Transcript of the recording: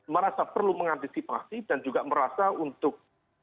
merasa perlu mengantisipasi dan juga merasa untuk